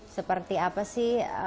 seperti apa sih